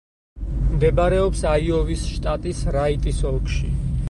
მდებარეობს აიოვის შტატის რაიტის ოლქში.